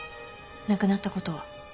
亡くなったことは？